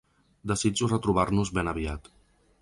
Desitjo retrobar-nos ben aviat!